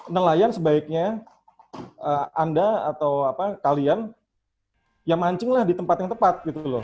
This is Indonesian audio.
nelayan sebaiknya anda atau kalian yang mancinglah di tempat yang tepat